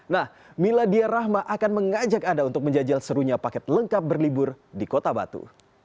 nah miladia rahma akan mengajak anda untuk menjajal serunya paket lengkap berlibur di kota batu